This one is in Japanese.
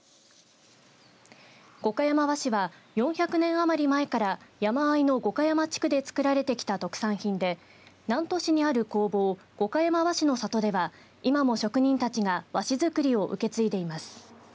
五箇山和紙は４００年余り前から山あいの五箇山地区で作られてきた特産品で南砺市にある工房五箇山和紙の里では今も職人たちが和紙作りを受け継いでいます。